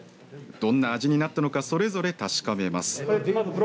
どんな味になったのかそれぞれ確かめます。